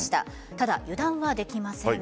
ただ、油断はできません。